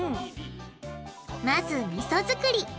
まずみそ作り。